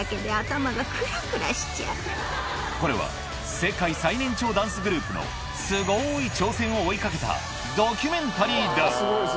これは世界最年長ダンスグループのすごい挑戦を追い掛けたドキュメンタリーだ